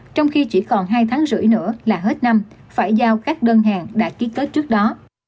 trong khi chỉ còn hai tháng rưỡi nữa là hết năm phải giao các đơn hàng đã ký kết trước đó